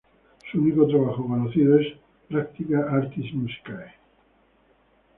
Su único trabajo conocido es "Practica artis musicae".